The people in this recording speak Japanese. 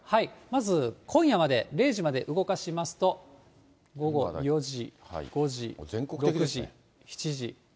まず今夜まで、０時まで動かしますと、午後４時、５時。